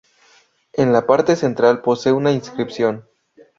En la parte central posee una inscripción.